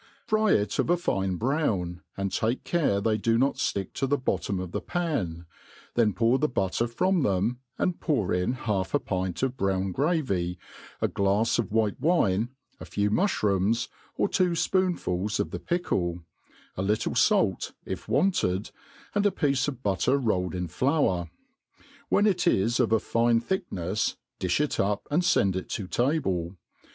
Fry it of a fine brown, and take care they do not ftick to the bottom of the pan ; then pour the butter from them, and pour in half a pint of brown gravy, a glafs of white wine, a few mu&rooms^ or two fpoonfuls of the pickle, a little fait (if wanted), and a piece of butter rolled in flour. When it is of a fine thicknefs difh it up, and fend it to table.